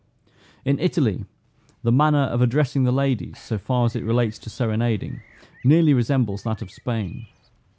In Italy the manner of addressing the ladies, so far as it relates to serenading, nearly resembles that of Spain.